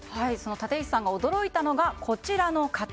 立石さんが驚いたのがこちらの方。